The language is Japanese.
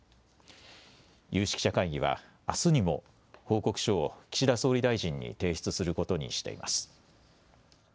有識者会議は、あすにも報告書を岸田総理大臣に提出することにしています。